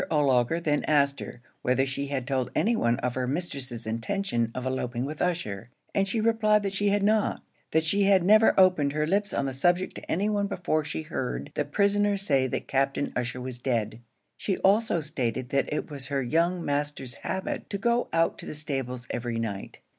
O'Laugher then asked her, whether she had told any one of her mistress's intention of eloping with Ussher, and she replied that she had not that she had never opened her lips on the subject to any one before she heard the prisoner say that Captain Ussher was dead. She also stated that it was her young master's habit to go out to the stables every night.